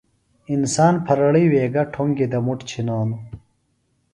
انسان پھرڑیوے گہ ٹھوۡنگیۡ دےۡ مُٹ چِھنانوۡ